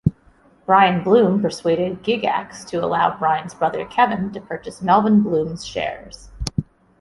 Brian Blume persuaded Gygax to allow Brian's brother Kevin to purchase Melvin Blume's shares.